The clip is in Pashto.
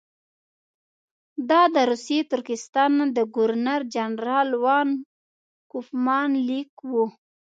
دا د روسي ترکستان د ګورنر جنرال وان کوفمان لیک وو.